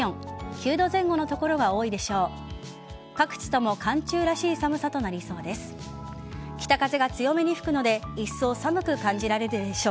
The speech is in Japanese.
９度前後の所が多いでしょう。